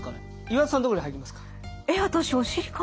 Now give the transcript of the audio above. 岩田さんどこに入りますか？